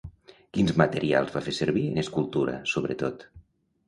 Quins materials va fer servir en escultura, sobretot?